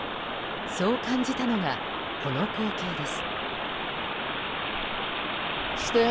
そう感じたのがこの光景です。